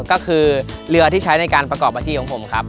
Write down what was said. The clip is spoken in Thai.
ก็คือเรือที่ใช้ในการประกอบอาชีพของผมครับ